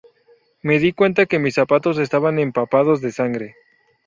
Me di cuenta que mis zapatos estaban empapados de sangre.